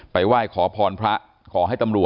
ที่มีข่าวเรื่องน้องหายตัว